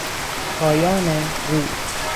پایان روز